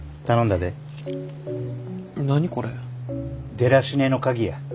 デラシネの鍵や。